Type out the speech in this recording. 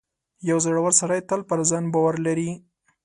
• یو زړور سړی تل پر ځان باور لري.